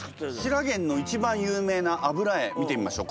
ひらげんの一番有名な油絵見てみましょう。